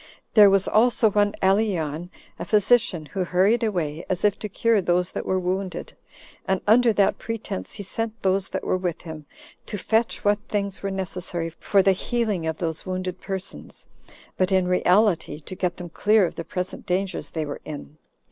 There was also one Aleyon, a physician, who hurried away, as if to cure those that were wounded, and under that pretense he sent those that were with him to fetch what things were necessary for the healing of those wounded persons, but in reality to get them clear of the present dangers they were in.